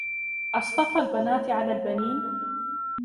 أَصْطَفَى الْبَنَاتِ عَلَى الْبَنِينَ